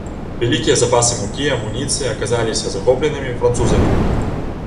Вялікія запасы мукі, амуніцыі аказаліся захопленымі французамі.